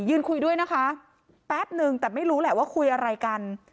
ยืนคุยด้วยนะคะแป๊บนึงแต่ไม่รู้แหละว่าคุยอะไรกัน